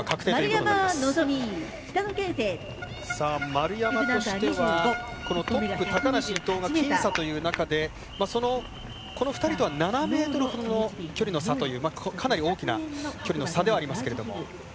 丸山としては、トップ高梨、伊藤が僅差という中でこの２人とは７ｍ程の距離の差というかなり大きな距離の差ではありますけれども。